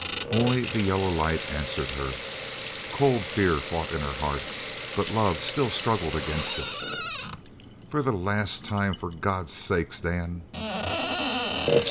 Only the yellow light answered her. Cold fear fought in her heart, but love still struggled against it. "For the last time for God's sake, Dan!"